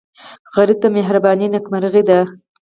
غریب ته مهرباني نیکمرغي ده